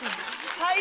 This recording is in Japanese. はい？